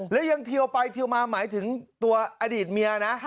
แล้วยังเทียวไปเทียวมาหมายถึงตัวอดีตเมียนะ